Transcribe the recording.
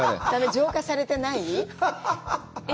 浄化されてない？